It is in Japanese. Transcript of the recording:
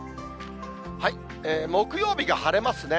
木曜日が晴れますね。